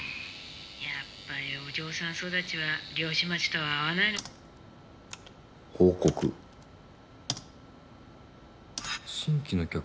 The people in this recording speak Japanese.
「やっぱりお嬢さん育ちは漁師町とは合わない」「報告」「新規の客。